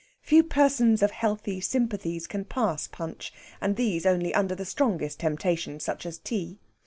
Few persons of healthy sympathies can pass Punch, and these only under the strongest temptation, such as tea.